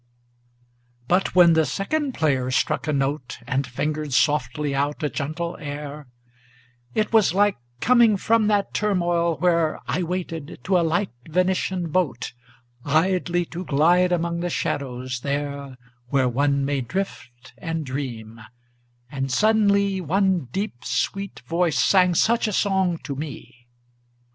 II. But when the second player struck a note And fingered softly out a gentle air It was like coming from that turmoil where I waited, to a light Venetian boat, Idly to glide among the shadows, there Where one may drift and dream; and suddenly One deep sweet voice sang such a song to me.